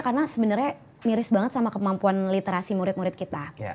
karena sebenarnya miris banget sama kemampuan literasi murid murid kita